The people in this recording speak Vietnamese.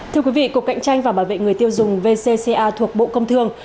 thưa quý vị cục cạnh tranh và bảo vệ người tiêu dùng vcca thuộc bộ công thương